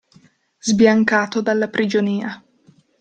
Sbiancato dalla prigionia.